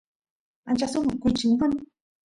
ancha sumaq kuchi uman